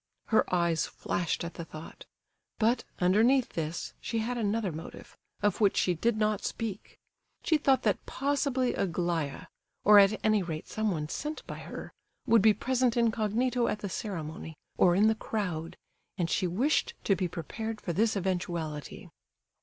Her eyes flashed at the thought. But, underneath this, she had another motive, of which she did not speak. She thought that possibly Aglaya, or at any rate someone sent by her, would be present incognito at the ceremony, or in the crowd, and she wished to be prepared for this eventuality.